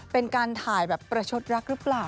เป็นการถ่ายแบบประชดรักหรือเปล่า